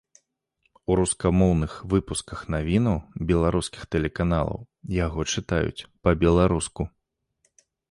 У рускамоўных выпусках навінаў беларускіх тэлеканалаў яго чытаюць па-беларуску.